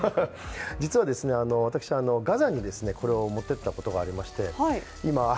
実は、私、ガザにこれを持っていったことがありまして。